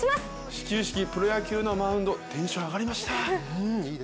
始球式プロ野球のマウンドテンション上がりました。